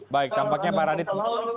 baik tampaknya pak radit